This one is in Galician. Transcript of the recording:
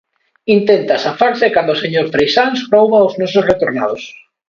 Intenta zafarse cando o señor Freixáns rouba aos nosos retornados.